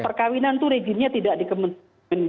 perkahwinan itu regimennya tidak dikemen